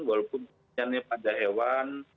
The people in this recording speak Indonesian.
walaupun penyakit pada hewan